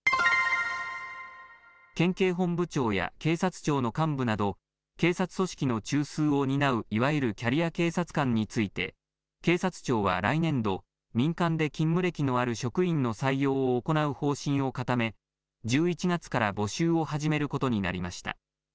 県警本部長や警察庁の幹部など警察組織の中枢を担ういわゆるキャリア警察官について警察庁は来年度民間で勤務歴のある職員の採用を行う方針を固め１１月から募集を始めることになりました。